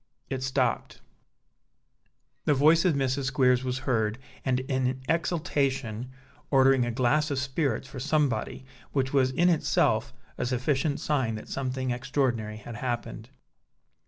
It stopped. The voice of Mrs. Squeers was heard, and in exultation, ordering a glass of spirits for somebody, which was in itself a sufficient sign that something extraordinary had happened.